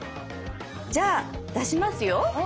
じゃあ出しますよ。